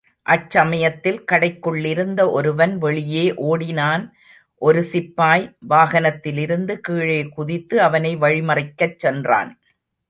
அச்சமயத்தில் கடைக்குள்ளிருந்த ஒருவன் வெளியே ஓடினான் ஒரு சிப்பாய், வாகனத்திலிருந்து கீழே குதித்து அவனை வழிமறிக்கச் சென்றான்.